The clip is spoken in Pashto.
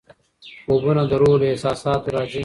خوبونه د روح له احساساتو راځي.